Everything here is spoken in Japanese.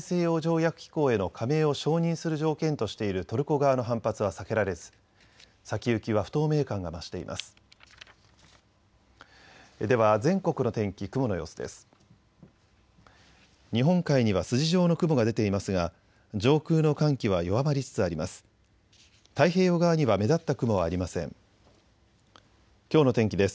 日本海には筋状の雲が出ていますが、上空の寒気は弱まりつつあります。